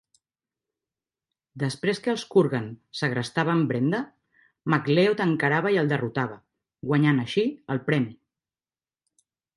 Després que els Kurgan segrestaven Brenda, MacLeod encarava i el derrotava, guanyant així "el premi".